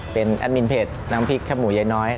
เป็นแอดมินเพจน้ำพริกครับหมูยายน้อย